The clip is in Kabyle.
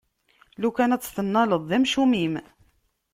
Lukan ad tt-tennaleḍ, d amcum-im!